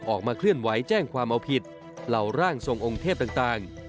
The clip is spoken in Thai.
ออกมาเคลื่อนไหวแจ้งความเอาผิดเหล่าร่างทรงองค์เทพต่าง